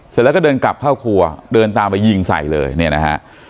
เสร็จแล้วก็เดินกลับเข้าครัวเดินตามไปยิงใส่เลยเนี่ยนะฮะ